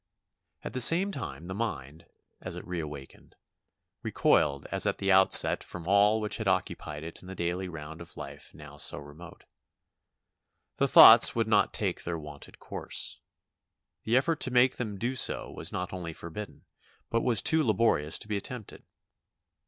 At the same time the mind, as it reawakened, recoiled as at the outset from all which had occupied it in the daily round of life now so remote. The thoughts would not take their wonted course. The effort to make them do so was not only forbidden but was too laborious to be attempted.